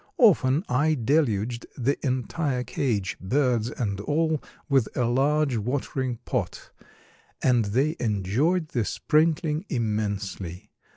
Often I deluged the entire cage, birds and all, with a large watering pot, and they enjoyed the sprinkling immensely.